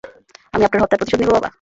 আমি আপনার হত্যার প্রতিশোধ নিবো, বাবা।